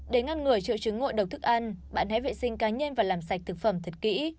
để ngăn ngừa triệu chứng ngộ độc thức ăn bạn hãy vệ sinh cá nhân và làm sạch thực phẩm thật kỹ